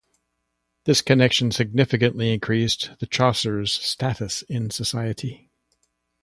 This connection significantly increased the Chaucers' status in society.